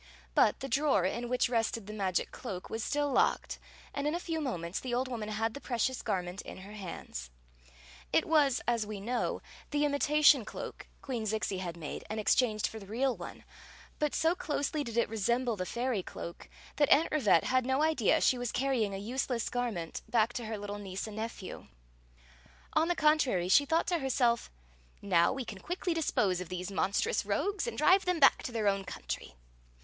But the drawer in which rested the magic cloak was still locked, and in a few mo n^ts the old vmmsai had the {»recious garment in her hftnds. It was, as we know, the imitation cloak Queen Zixi had made and exchanged for the real one; but so closely did it resemble the iairy cloak that Aunt Ri vette had no idea the was curytng a t^eless garment 228 Queen Zixi of Ix ; or, the back to her little niece and nephew. On the con trary, she thought to herself : "Now we can quickly dispose of these monstrous rogues and drive them back to their own country."